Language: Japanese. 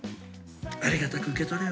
ありがたく受け取れよ。